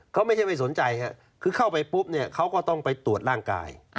เขาไม่ใช่ไม่สนใจครับคือเข้าไปปุ๊บเนี่ยเขาก็ต้องไปตรวจร่างกาย